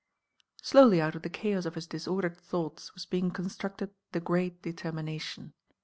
Slowly out of the chaos of his disordered thoughts was being constructed the Great Determination.